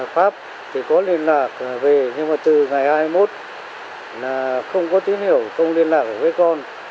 pháp thì có liên lạc về nhưng mà từ ngày hai mươi một là không có tín hiểu không liên lạc với con